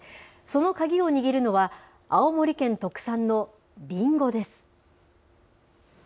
その鍵を握るのは、青森県特産のりんごです。